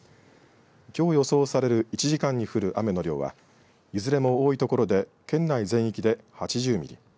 きょう予想される１時間に降る雨の量はいずれも多いところで県内全域で８０ミリ。